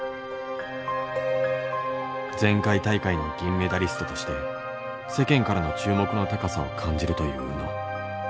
前回大会の銀メダリストとして世間からの注目の高さを感じるという宇野。